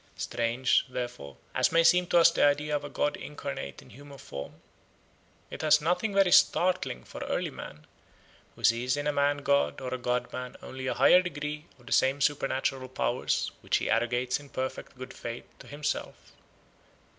Strange, therefore, as may seem to us the idea of a god incarnate in human form, it has nothing very startling for early man, who sees in a man god or a god man only a higher degree of the same supernatural powers which he arrogates in perfect good faith to himself.